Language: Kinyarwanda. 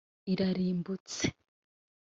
Irarimbutse